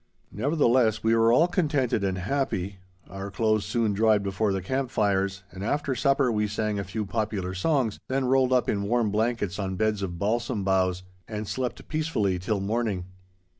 Nevertheless, we were all contented and happy, our clothes soon dried before the camp fires, and after supper we sang a few popular songs, then rolled up in warm blankets on beds of balsam boughs, and slept peacefully till morning.